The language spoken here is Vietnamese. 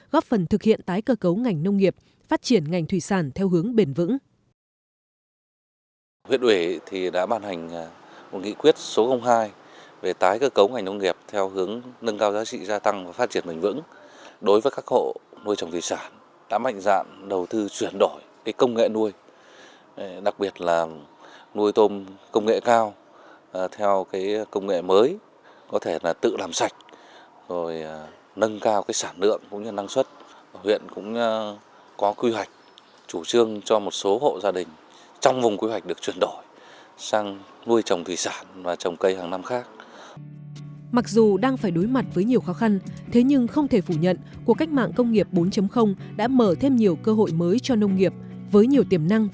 góp phần thực hiện tái cơ cấu ngành nông nghiệp phát triển ngành thủy sản theo hướng bền vững